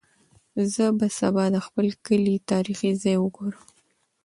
زه به سبا د خپل کلي تاریخي ځای وګورم.